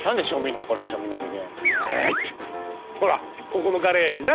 ほらここのガレージな。